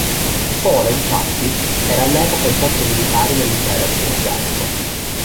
Pola, infatti, era all'epoca il porto militare dell'Impero austroungarico.